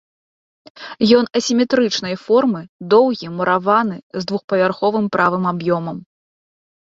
Ён асіметрычнай формы, доўгі, мураваны, з двухпавярховым правым аб'ёмам.